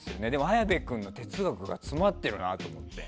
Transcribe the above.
綾部君の哲学が詰まってるなって思って。